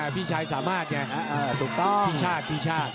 พี่ชายสามารถไงถูกต้องพี่ชาติพี่ชาติ